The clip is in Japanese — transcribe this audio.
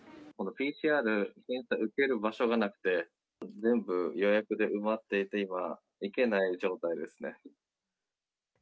ＰＣＲ検査、受ける場所がなくて、全部、予約で埋まっていて今、行けない状態ですね。